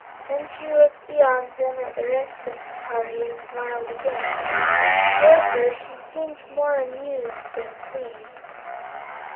Then she looked beyond them at the rest of the party and smiled again. However, she seemed more amused than pleased.